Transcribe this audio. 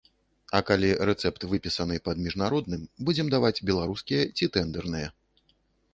А калі рэцэпт выпісаны пад міжнародным, будзем даваць беларускія ці тэндэрныя.